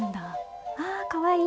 あかわいい！